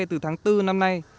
từ tháng bốn năm nay